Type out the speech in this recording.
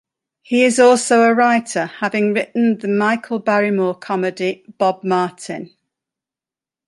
He is also a writer, having written the Michael Barrymore comedy "Bob Martin".